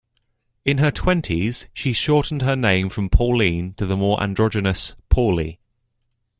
In her twenties, she shortened her name from Pauline to the more androgynous Pauli.